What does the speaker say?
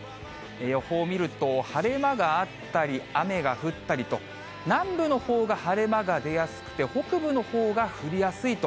予報を見ると、晴れ間があったり、雨が降ったりと、南部のほうが晴れ間が出やすくて、北部のほうが降りやすいと。